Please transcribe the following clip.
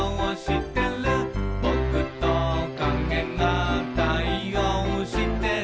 「ぼくと影が対応してる」